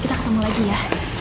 kita ketemu lagi ya